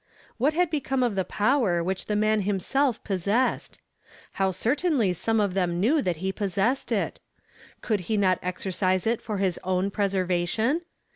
What had become of the power which the man himself pos sessed ? How certainly some of them knew that he possessed it ! Could he not exercise it for his own preservation